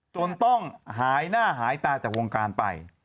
จนต้องหายหน้าหายตาจากวงการไป